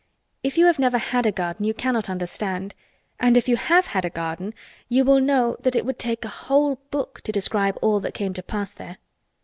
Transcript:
If you have never had a garden you cannot understand, and if you have had a garden you will know that it would take a whole book to describe all that came to pass there.